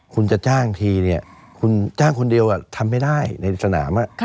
คุณจะจ้างทีเนี่ยคุณจ้างคนเดียวทำไม่ได้ในสนาม